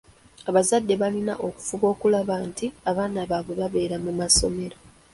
Abazadde balina okufuba okulaba nti abaana babwe babeera mu ssomero.